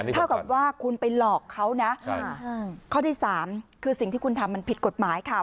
เท่ากับว่าคุณไปหลอกเขานะข้อที่สามคือสิ่งที่คุณทำมันผิดกฎหมายค่ะ